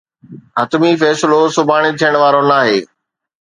حتمي فيصلو سڀاڻي ٿيڻ وارو ناهي.